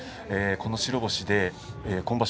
この白星で、今場所